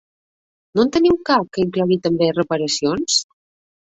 No en teniu cap que inclogui també reparacions?